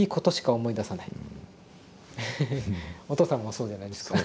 お父さんもそうじゃないですか？